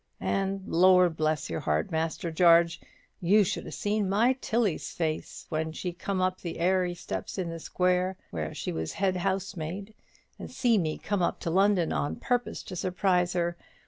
And, Lor' bless your heart, Master Jarge, you should have seen my Tilly's face when she come up the airey steps in the square where she was head housemaid, and see me come up to London on purpose to surprise her.